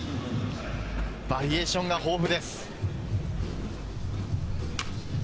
バリエーションが豊富です。